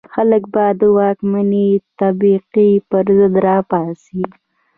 خلک به د واکمنې طبقې پر ضد را پاڅي.